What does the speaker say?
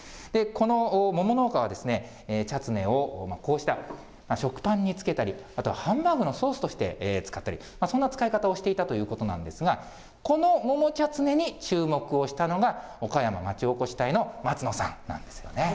この桃農家は、チャツネをこうした食パンにつけたり、あとはハンバーグのソースとして使ったり、そんな使い方をしていたということなんですが、この桃チャツネに注目をしたのが、ＯＫＡＹＡＭＡまちおこし隊の松野さんなんですよね。